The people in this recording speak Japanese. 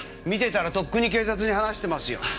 見てたらとっくに警察に話してますよ。